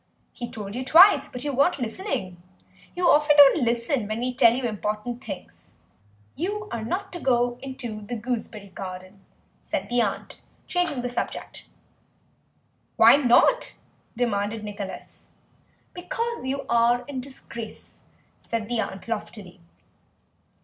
"He told you twice, but you weren't listening. You often don't listen when we tell you important things." "You are not to go into the gooseberry garden," said the aunt, changing the subject. "Why not?" demanded Nicholas. "Because you are in disgrace," said the aunt loftily.